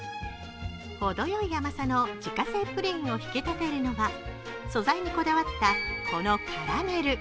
程よい甘さの自家製プリンを引き立たせるのが素材にこだわったこのカラメル。